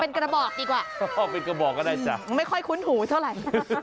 เป็นกระบอกดีกว่าเป็นกระบอกก็ได้จ้ะไม่ค่อยคุ้นหูเท่าไหร่